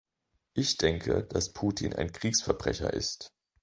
Ich denke, dass Putin ein Kriegsverbrecher ist.